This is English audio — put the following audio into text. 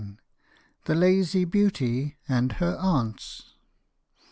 ] THE LAZY BEAUTY AND HER AUNTS.